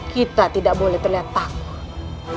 kita tidak boleh terlihat takut